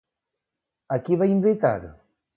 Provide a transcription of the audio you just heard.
A qui va invitar?